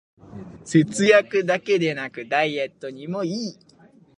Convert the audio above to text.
節約だけでなくダイエットにもいい